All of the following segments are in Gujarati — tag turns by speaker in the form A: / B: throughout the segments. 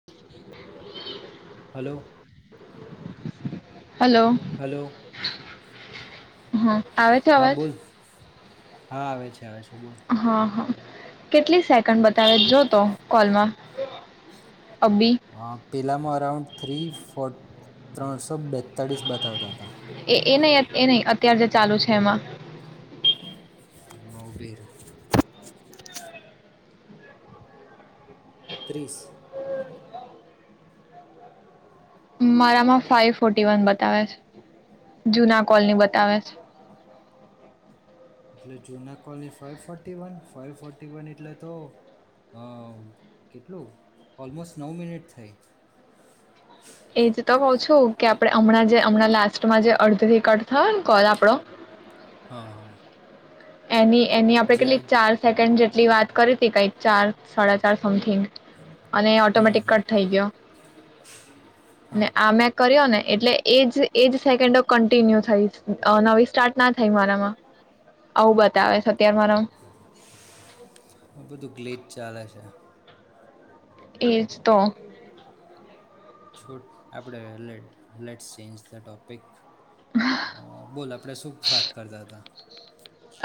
A: [inaudible]
B: હલો
A: હલો
B: હલો
A: હા આવે છે
B: હા
A: અવાજ?
B: બોલ હા આવે છે આવે છે બોલ
A: હા હા. કેટલી સે? ન બતાવે જો તો કોલમાં. હ.
B: હ પેલામાં અરાઉન્ડ થ્રી ફો ત્રણસો બેતાળીસ બતાવતા હતા.
A: એ એ નહ એ નહ અત્યાર જે ચાલુ છે એમાં.
B: [inaudible] ત્રીસ.
A: મારામાં ફાઈવ ફોર્ટી વન બતાવે છે જુના કોલની બતાવે છે.
B: એટલે જુના કોલની five forty one five forty one એટલે તો અ કેટલું ઓલમોસ્ટ નવ મિનિટ થઈ.
A: એજ તો કઉ છું કે આપણે હમણાં જે હમણાં લાસ્ટમાં જે અર્ધ રિકટ થયો ને કોલ આપડો.
B: હા હા.
A: એની એની આપણે કેટલીક
B: જ્યાં
A: ચાર સેકન્ડ જેટલી વાત. કરી હતી કઈ ચાર સાડા ચાર સમથિંગ અને
B: હમ
A: ઓટોમેટિક
B: હમ
A: કટ થઈ ગયો. અને
B: હા
A: આમ એક કર્યો ને એટલે એજ એજ સેકન્ડો કન્ટિન્યુ થઈ નવી સ્ટાર્ટ ના થઈ મારામાં. આવું બતાવેશ અત્યારે મારામાં.
B: આ બધું ગ્લીચ ચાલે છે.
A: એજ તો.
B: છોડ આપડે લેટ્સ ચેન્જ થઈ ટોપિક. અ બોલ આપડે શું વાત કરતા હતા?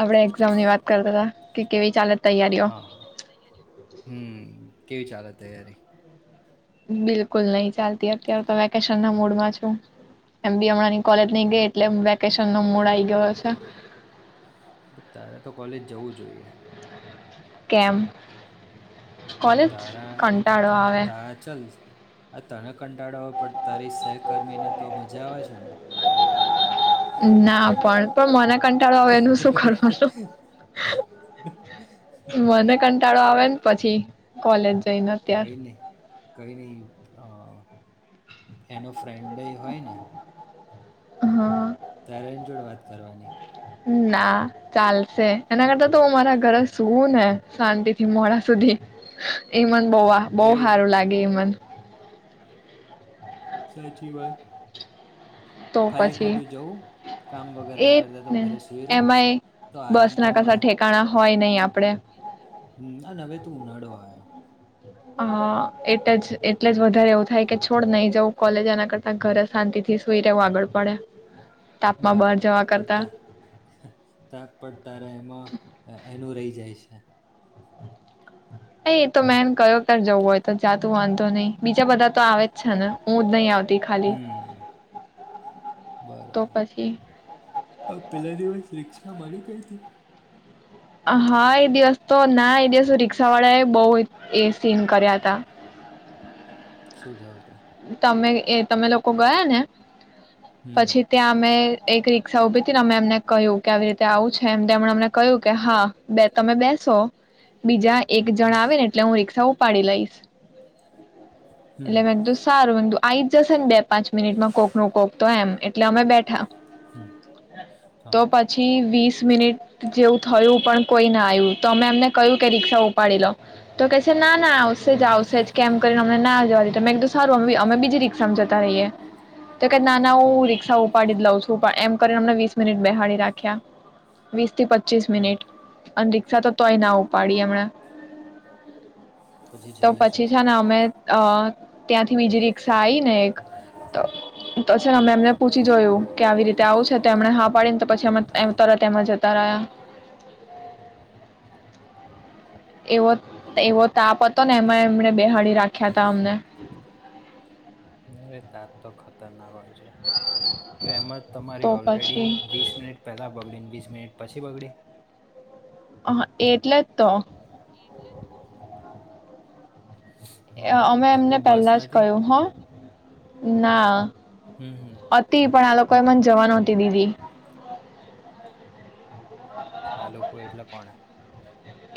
A: આપડણે એક્ઝામ ની વાત કરતા હતા કેવી ચાલત
B: હા, હ હમ. કેવી ચાલે તૈયારી?
A: બિલકુલ નહી ચાલતી અત્યારે તો વેકેશન ના મૂડમાં છું, એમ બી હમંની કોલેજ નહી ગઈ એટલે વેકેશન નો મૂડ આઈ ગયો છે.
B: તારે તો કોલેજ જવું જોઈએ.
A: કેમ?
B: કે
A: કોલેજ
B: તારા
A: કંટાળો આવે
B: તારા ચલ આ તને કંટાળો હોય પણ તારી સહકર્મીને તો મજા આવે છે ને.
A: ના પણ પણ મને કંટાળો એનું શું કરવાનું, મને કટ શટાળો આવે ને, પછી કોલેજ જઈને અત્યાર
B: કઈ નહી કઈ નહી, હા. [inaudible] ફ્રેન્ડય હોય ને.
A: હા
B: ત્યારે એની જોડ વાત કરવાની.
A: ના ચાલશે એના કરતા તો મારા ઘરે સુવું ને શાંતિ થી મોડા સુધી એ મ. બ બહુ
B: એ
A: સારું લાગે એ મને.
B: સાચી વાત.
A: તો
B: ખાલી
A: પછી
B: ખોટું જવું કામ
A: એ
B: વગેરેને કરતા તો
A: ને
B: ઘરે સુઈરો
A: એમાંય
B: તો
A: બસ
B: આરામ તો
A: ના કશા
B: મળે.
A: ઠેકાણા હોય નહ આપડે.
B: હમ અને હવે તું ઉનાળો આવયો
A: હ એટ એટલે જ વધારે એવું થાય કે થોડ નહી જવું કોલેજ એના કરતા ઘરે શાંતિ થી સુઈ રહેવું આગળ પડે તાપમાં બહાર
B: બરાબર
A: જવા કરતા
B: પતા પ તારે એમાં એનું રહી જાય છે.
A: અ એ તો મેમ કયો ત જવું હોય તો જાતું વાંધો નઈ બીજા બધા તો આવે જ છે ને હું જ નહી આવતી. ખાલી
B: હમ
A: તો પછી
B: બરોબર પેલા દિવસ રિકષ મળી કઈ હતીથી.
A: હા એ દિવસ તો ના એ દિવસ રિક્ષા વાળા એ બહ એ સીન કર્યા હતા.
B: શું થયું હતું?
A: તમે એ તમે લોકો ગયા ને
B: હમ
A: પછી ત્યાં અમે એક રિક્ષા ઉઊભી ને અમે એમને કહ્યું કે આવી રીતે આવું છે એમ અમને કહ્યું કે હા બે તમે બેસો બીજા એક જણ આવે ને એટલે હું રી્ષા ઉપાડી લઈશ.
B: હમ
A: એટલે મે સારું આઈ જશે ને બે પાંચ મિનિટમાં કોક નું કોક તો એમ એટલે અમે બેઠા.
B: હમ
A: તો
B: હા
A: પછી વીસ મિનિટ જેવું થયું પણ કોઈ ના આવ્યું તો અમે એમને કહ્યું કે રી્ક્ષા ઉપાડી લો તો કેહે છે ના ના આવશે જ આવશે જ કેમ કરીને અમને ના જવાની તમે સારું અમે અમે બીજી રી્ષામાં જતા રહીએ. તો ક નાના
B: હમ
A: રી્ષા ઉપાડી દ લ એમ કરીનેમને વીસ મિનિટ બેહાળડી રાખ્યા વીસ થી પ પચીસ
B: હમ
A: મિટ અંદ તો તોય ના ઉપાડી હમણાં
B: પછી
A: તો
B: છેલ્લે શું
A: પછી છે
B: થયું
A: ને અમે હ ત્યાં થી બીજી રીષા આવી ને તો છે
B: હમ
A: મે એમને પૂછી જોયું કે આવી રીતે આવું છે તો એમને હા પાડી ને તો પછી તરત એમાં જતા રહ્યા. એવો એવો તાપ હતો ને એમાં એમને બેહાડી રાખ્યા હતા અમને.
B: અરે તાપ તો ખતરનાક હોય. તો એમ જ
A: તો
B: તમારી ઓલરેડી
A: પછી
B: વીસ મિનિટ પહેલા બગડીને મિનિટ પછી બગડી
A: હ એટલે તો
B: હમ
A: અમે
B: ઓ
A: એમને
B: બસ
A: પેલા જ
B: નથી
A: કહ્યું હ ના
B: હમ હમ
A: હતી પણ આ લોકો એ મને જવા નહતી દીધી
B: આ લોકો એટલે કોને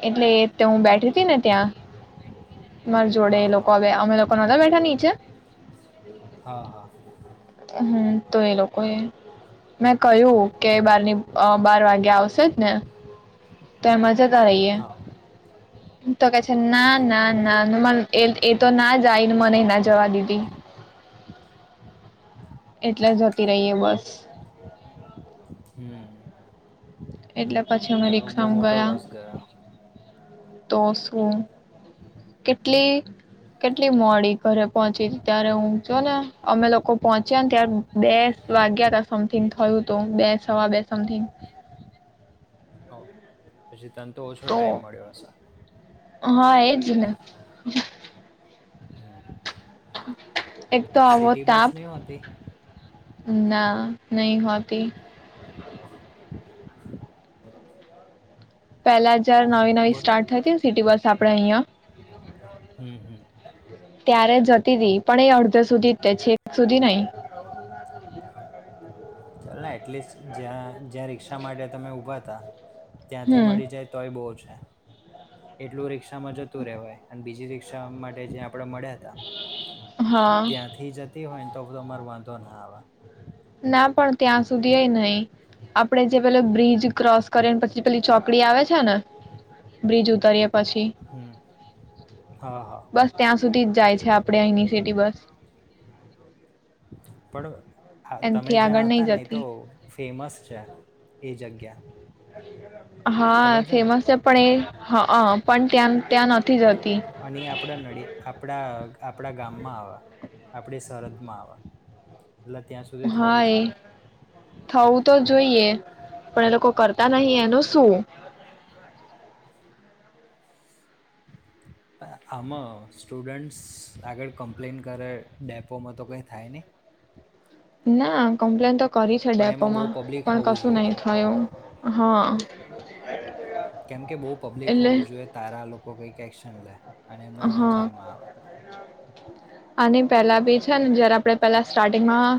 A: એટલે તે હું બેઠી હતી ને ત્યાં મારી જોડે એ
B: હા
A: લોકો
B: હા
A: હવે
B: હા
A: અમે લોકો નહોતા બેઠા હતા નીચે
B: હા હા
A: હમ તો એ લોકો મેં કહ્યું કે બારની બાર વાગે આવશે જ ને તેમજ જતા રહીએ
B: હા
A: તો કે છે ના ના
B: પણ
A: ના એ તો ના જાય મને ના જવા દીધી. એટલે જતી રહી એ બસ.
B: હમ
A: એટલે પછી અમે
B: તો એવો બહુ
A: રિકક્ષા માં
B: મોટો
A: ગયા.
B: લોસ ગયો
A: તો શું કેટલી કેટલી મોડી ઘરે પહોંચી ત્યારે હું જો ને અમે લોકો પહોંચ્યા ને ત્યારે બે વાગ્યા ત સમથિંગ થયું તો બે સવા બે સમથિંગ.
B: હ પછી તનેતો ઓછો
A: તો
B: ટાઈમ મળ્યો હશે.
A: હા એજ ને
B: હમ
A: એક તો આવો
B: સિટી બસ
A: તાપ
B: નહી હોતી
A: ના નહી હોતી. પહેલા‌ જ જ્યારે
B: હમ
A: નવી નવી
B: બોલ
A: સ્ટાર્ટ થઈ હતી સિટી બસ આપડે અહિયાં
B: હમ હમ
A: ત્યારે જતી હતી પણ એ અડધો સુધી જ તે છે છેક સુધી નહી. [inaudible]
B: ચાલ એટલીસ્ટ જ્યાં જ્યાં રિક્ષા માટે તમે ઊભા હતા ત્યાંથી
A: હમ
B: મળી જાય તોય બહુ એટલું રિક જતું ર રહેવાય અને બીજી શા માટે જે આપ આપ મળ્યા હતા
A: હા
B: ત્યાંથી જતી હોય. તો બ તો અમારો વાંધો ના આ
A: ના પણ ત્યાં સુધી નહી આપણે જે પલો બિજ ક્રોસ કરી ને પછી પેલી ચોકડી આવે છે ને બ્રિજ ઉતારી પછી
B: હમ હા હા
A: બસ ત્યાં સુધી જ જાય છે આપડે અહીની સિટી બસ
B: પડવા હા તમે
A: એનાથી આગળ
B: જ્યાં
A: નહીં
B: હતા ને એ તો
A: જતી
B: ફેમસ છે એ જગ્યા
A: હા
B: ખબર ને
A: ફેમસ છે પણ એ હા. પણ નથી જતી
B: અ આપડા નળ આપડા આપણા ગામમાં આવ આપણી સરહદમાં આવ
A: હા એ થવું તો જોઈએ પણ એ લોકો કરતા નહિ એનું શું?
B: આમાં સ્ટુડન્ટ્સ આગળ કમ્પ્લેન કરે ડેપોમાં તો કંઈ થાય નહી.
A: ના કમ્પ્લેન તો કરી છે
B: પણ એમાં બહુ
A: ડેપોમાં
B: પબ્લિક
A: પણ
B: હોવું
A: કશું
B: જોઈએ
A: નહીં થયું હા. [inaudible]
B: કેમ કે બહુ પબ્લિક
A: એટલે
B: હોવું જોઈએ તારા લોકો કઈ ક છેણલે અને એમના નજરમાં આવે
A: અને પેલા બી છે ને [unintelligible] આપડે પેલા સ્ટાર્ટિંગમાં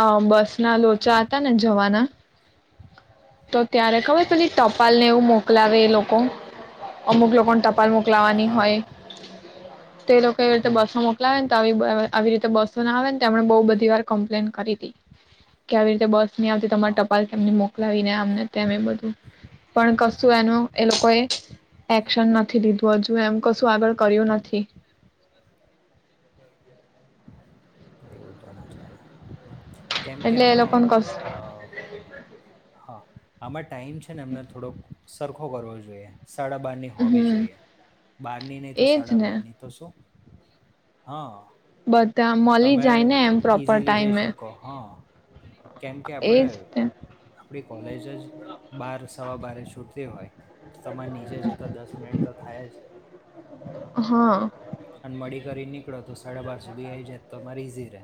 A: અ બસ ના લોચા હતા ને જવાના તો ત્યારે ખબર
B: હા
A: પેછી ટપાલ ને એવું મોક મોકલાવે એ લોકો. અમુક લોકોને ટપાલ મૂક લાવવાની
B: હા
A: હોય.
B: હા
A: તે લોકો એવી રીતે
B: હમ
A: બસો મોકલાવે ને તો આવી રીતે બસો ના આવે મ બ બ બધી વાર કમ્પ્લેન કરી હતી કે આવી રીતે બસ ની આવતી તમારી
B: હા
A: ટપાલ કે એમને મોકલાવીને આમને તેમ એ બધું પણ કશું એનું એ લોકો એ એક્શન નથી લીધું હજુ એમ. કશું આગળ કર્યું નથી.
B: એવું તો ના ચાલે કેમ
A: એટલે એ
B: કેમાં
A: લોકોને કશું
B: હા. આમા ટાઈમ છે ને એમને થોડોક સરખો કરવો જોઈએ. સાડા બાર ની હોવી
A: હમ
B: જોઈએ બારની નહી તો
A: એજ
B: સાડા
A: ને
B: બારની તો શું હા
A: બંધ
B: તમે ઈઝીલી જઈ શકો હા કેમ કે આપડે
A: એજ ને
B: આપણી કોલેજ જ બાર સવા બ છૂટતી હોય. તમારે નીચે જતા દસ મિનિટ તો થાય જ.
A: હા
B: અને મળી કરી નીકળો તો સાડા બાર સુધી આવી જાય તો અમારે ઈઝી ર.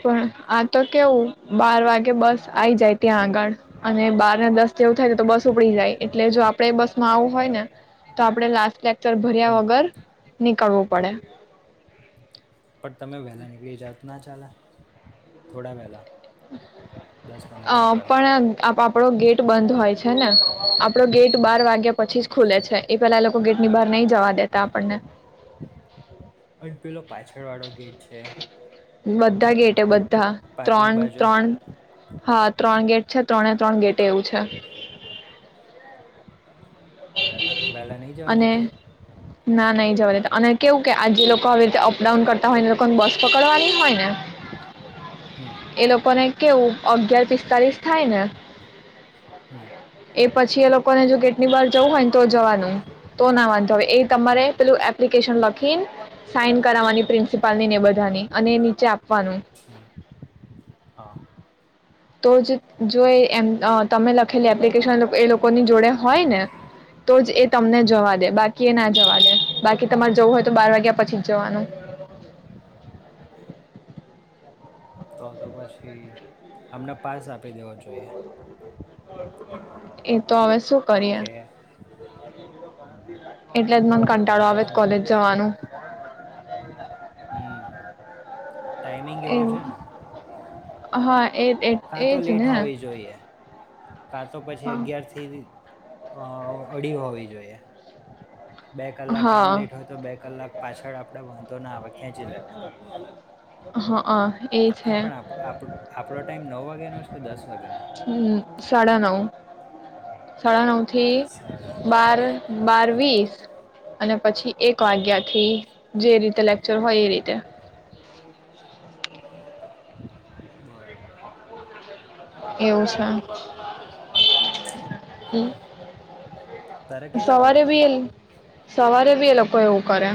A: પણ આ તો કેવું બાર વાગે બસ આવી જાય ત્યાં આગળ અને બારને દસ જેવું થાય તો બસ ઉપડી જાય એટલે જો આપડે બસ આવું હોય ને તો આપડે લાસ લે ભર્યા
B: હમ
A: વગર નીકળવું પડે.
B: પણ તમે વહેલા નીકળી જા કના ચાલ થોડા વહેલા દસ પંદર
A: અ
B: મિનિટ વહેલા
A: પણ આપ આપડો ગેટ બંધ હોય છે ને આપડો ગેટ બાર વાગ્યા પછી જ ખુલે છે એ પેલા એ લોકો ગેટ ની બાર નહી જવા દેતા આપણને
B: અ પેલો પાછળ વાળો ગેટ છે
A: બધા ગેટે બધા
B: પાર્કિંગ
A: ત્રણ
B: બાજુ
A: ત્રણ હા ત્રણ ગેટ છે ત્રણે ત્રણ ગેટ ટેવું છે.
B: વહેલા નહીં જવા
A: અને
B: દેતા
A: ના ના એ જવા દ અને કેવું કે આજે લોકો હવે રીતે અપડાઉન કરતા હોય લોકોને બસ પકડવાની હોય ને
B: હમ
A: એ લોકોને કેવું અગિયાર પિસ્તાલીસ થાય ને
B: હમ
A: એ પછી એ લોકોને જો કે. [inaudible] જવું હોય ને તો જવાનું તો ના હવે એ તમારે
B: હમ
A: પેલું એપ્લિકેશન કેમ સાઈન કરાવવાની પ્રિન્સિપાલ ની ને બધાની અને નીચે આપવાની.
B: [inaudible]
A: તો જ જો એમ તમે લખેલી એપ્લિકેશન એ લોકોની જોડે હોય ને તો જ એ તમને
B: હમ
A: જવા દે બાકી એ ના જવા દે. બાકી તમારે જવું હોય તો બાર વાગ્યા પછી જ જવાનું.
B: તો તો પછી અમને પાસ આપી દેવો જોઈએ.
A: એતો હવે કરીએ
B: કે
A: એટલે જ મને કંટાળો આવે
B: મેનેજમેન્ટ
A: કોલેજ જવાનું.
B: ટાાઈમિંગ એવો છે.
A: હ.
B: કા તો લેટ હોવી જોઈએ કા તો પછી
A: હા
B: અગિયાર થી અ અડી હોવી જોઈએ. બે કલાક કામ લેટ
A: હા
B: હોય તો બે કલાક પાછળ આપડે વાંધ ના. ખેંચી
A: હ.
B: નહી પણ આપડો ટાઈમ નવ વાગ્યાનો કે દસ? વાગ્યાનો?
A: હમ્મ સાડા નવ. સાડા ન થી
B: સાડા નવ
A: બાર બાર વીસ અને પછી એક વાગ્યાથી જે રીતે લેક્ચર હોય એ રીતે.
B: [inaudible]
A: એવું છે. હમ્મ.
B: તારે કેટલા બધ્યા?
A: સવારે બી એ લોકો એવું કરે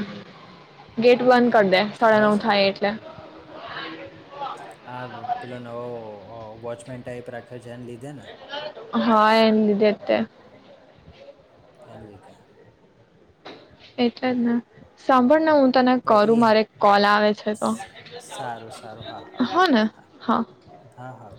A: ગેટ વન કરી દે સાડા
B: હસ
A: નવ થાય એટલે. [inaudible]
B: આ પેલો નવો વોચમેન ટાઈપ રાખ્યો છે એને લીધે. ને
A: હા એમ લીધે તે.
B: [unintelligible]
A: એટલે જ સાંભળ ના હું તને
B: પણ એ
A: કરું મારે કોલ આવે છે તો
B: સ- સારું સારું
A: હા
B: કર
A: ને હા. [inaudible]
B: હા હા